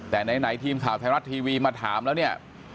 แต่ไหนทีมข่าวไทยรัฐทีวีมาถามแล้วเนี่ย